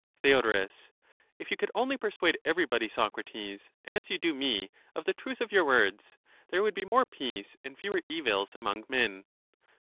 Theod. If you could only persuade everybody, Socrates, as you do me, of the truth of your words, there would be more peace and fewer evils among men.